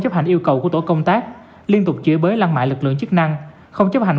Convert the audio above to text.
chấp hành yêu cầu của tổ công tác liên tục chửi bới lăng mại lực lượng chức năng không chấp hành